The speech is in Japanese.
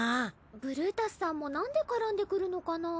ブルータスさんもなんで絡んでくるのかな。